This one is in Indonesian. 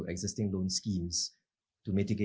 kebijakan yang ada di dalam kebijakan